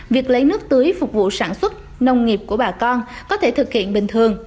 việc lấy nước tưới phục vụ sản xuất nông nghiệp của bà con có thể thực hiện bình thường